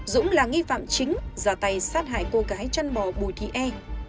dũng là nghi phạm chính giả tay sát hại cô gái chăn bò bùi thị e